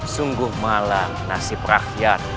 sungguh malam nasib rakyat